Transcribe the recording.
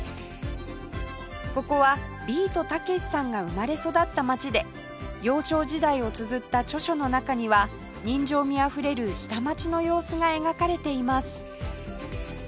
ここはビートたけしさんが生まれ育った街で幼少時代をつづった著書の中には人情味あふれる下町の様子が描かれています